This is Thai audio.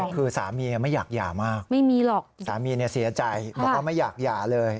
คือสามีไม่อยากหย่ามากไม่มีหรอกสามีเสียใจบอกว่าไม่อยากหย่าเลย